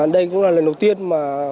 đây cũng là lần đầu tiên mà